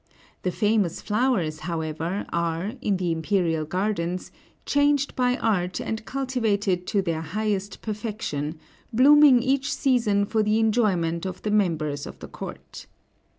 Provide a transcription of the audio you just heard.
The famous flowers, however, are, in the imperial gardens, changed by art and cultivated to their highest perfection, blooming each season for the enjoyment of the members of the court.